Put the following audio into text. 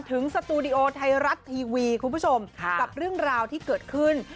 สตูดิโอไทยรัฐทีวีคุณผู้ชมกับเรื่องราวที่เกิดขึ้น